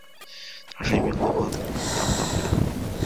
她是一名共和党党员。